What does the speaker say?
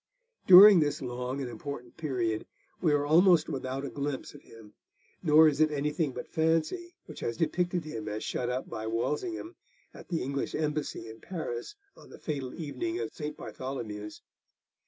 During this long and important period we are almost without a glimpse of him, nor is it anything but fancy which has depicted him as shut up by Walsingham at the English embassy in Paris on the fatal evening of St. Bartholomew's.